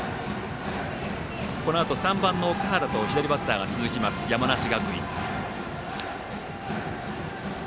このあと３番の岳原と左バッターが続く山梨学院。